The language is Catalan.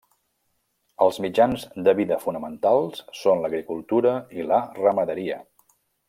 Els mitjans de vida fonamentals són l'agricultura i la ramaderia.